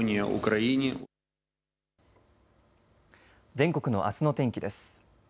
全国のあすの天気です。